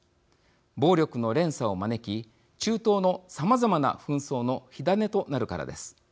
暴力の連鎖を招き中東のさまざまな紛争の火種となるからです。